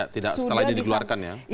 tidak setelah ini dikeluarkan ya